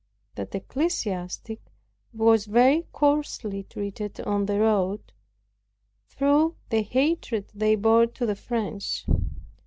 That ecclesiastic was very coarsely treated on the road, through the hatred they bore to the French.